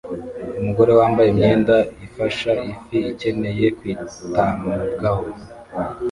Umugore wambaye imyenda ifasha ifi ikeneye kwitabwaho